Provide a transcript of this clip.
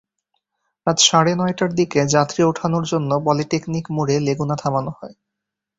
রাত সাড়ে নয়টার দিকে যাত্রী ওঠানোর জন্য পলিটেকনিক মোড়ে লেগুনা থামানো হয়।